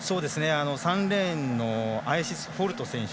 ３レーンのアイシス・ホルト選手